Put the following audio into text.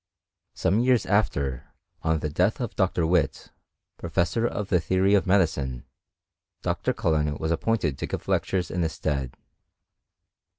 Some years after, on the death of Dr. Whytt, pro fessor of the theory of medicine. Dr. Cullen was ap pointed to give lectures in his stead.